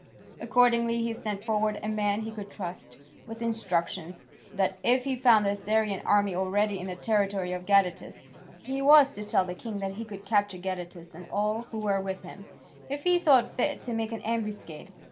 Accordingly he sent forward a man he could trust, with instructions that, if he found the Assyrian army already in the territory of Gadatas, he was to tell the king that he could capture Gadatas and all who were with him, if he thought fit to make an ambuscade.